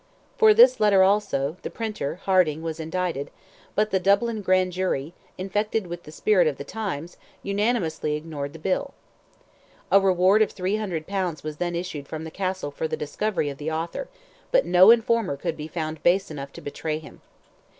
For this letter also, the printer, Harding, was indicted, but the Dublin grand jury, infected with the spirit of the times, unanimously ignored the bill. A reward of 300 pounds was then issued from the castle for the discovery of the author, but no informer could be found base enough to betray him.